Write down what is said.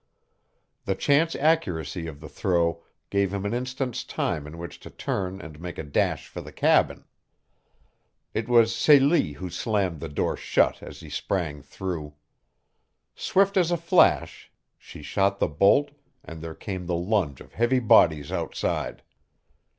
The chance accuracy of the throw gave him an instant's time in which to turn and make a dash for the cabin. It was Celie who slammed the door shut as he sprang through. Swift as a flash she shot the bolt, and there came the lunge of heavy bodies outside.